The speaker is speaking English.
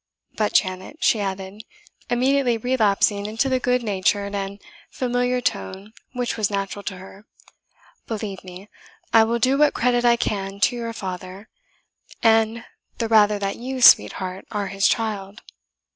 But, Janet," she added, immediately relapsing into the good natured and familiar tone which was natural to her, "believe me, I will do what credit I can to your father, and the rather that you, sweetheart, are his child.